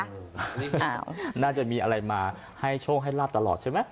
น่าจะมีอะไรมาให้โชคให้ลาบตลอดใช่ไหม